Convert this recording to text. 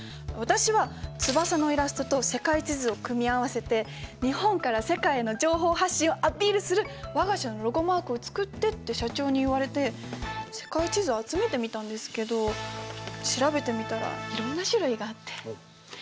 私は翼のイラストと世界地図を組み合わせて日本から世界への情報発信をアピールする我が社のロゴマークを作ってって社長に言われて世界地図を集めてみたんですけど調べてみたらいろんな種類があって。